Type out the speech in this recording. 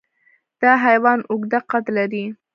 دا حیوان اوږده قد لري.